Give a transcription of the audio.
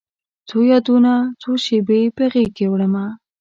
څو یادونه، څو شیبې په غیږکې وړمه